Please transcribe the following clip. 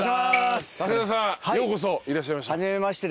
武田さんようこそいらっしゃいました。